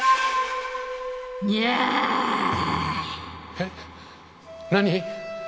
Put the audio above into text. えっ？何？